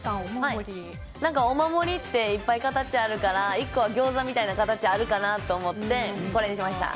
お守りっていっぱい形あるから１個はギョーザみたいな形あるかなと思ってこれにしました。